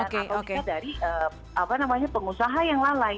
atau bisa dari apa namanya pengusaha yang lalai